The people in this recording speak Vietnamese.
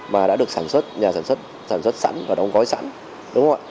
mà đã được sản xuất nhà sản xuất sẵn và đóng gói sẵn